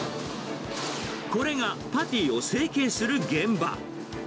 これがパティを成型する現場。